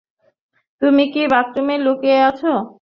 তুমি কি বাথরুমে লুকিয়ে আছো?